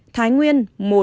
thái nguyên một